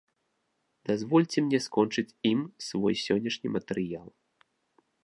Дазвольце мне скончыць ім свой сённяшні матэрыял.